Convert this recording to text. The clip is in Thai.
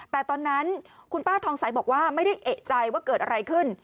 แต่ตอนนั้นคุณป้าทองใสบอกว่าไม่ได้เอกใจว่าเกิดอะไรขึ้น